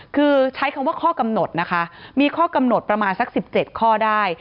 คือใช้คำว่าข้อกำหนดนะคะมีข้อกำหนดประมาณสัก๑๗ข้อได้